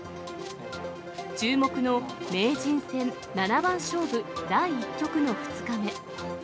注目の名人戦七番勝負第１局の２日目。